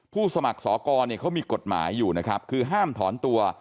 สมัครสอกรเนี่ยเขามีกฎหมายอยู่นะครับคือห้ามถอนตัว